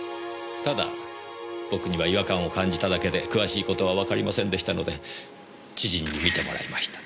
ただ僕には違和感を感じただけで詳しいことはわかりませんでしたので知人に見てもらいました。